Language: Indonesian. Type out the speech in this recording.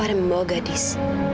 ada yang membawa gadis